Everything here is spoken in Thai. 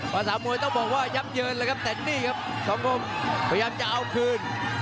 ภาษามวยต้องบอกว่ายับเยินเลยครับแต่นี่ครับสองคมพยายามจะเอาคืน